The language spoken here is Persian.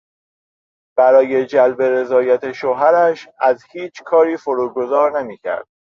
برای جلب رضایت شوهرش از هیچ کاری فروگذار نمیکرد.